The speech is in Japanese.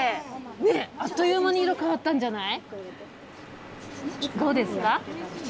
あっという間に色変わったんじゃない？